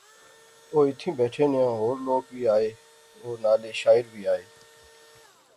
او ایتھیں بیٹھے نیاں ہور لوک وی آئے وہ نالے شاعر وی آئے